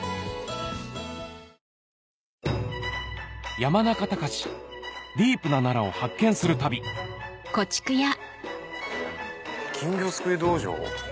山中崇ディープな奈良を発見する旅金魚すくい道場？